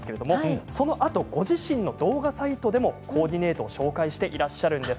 そのあとご自身の動画サイトでもコーディネートを紹介していらっしゃるんです。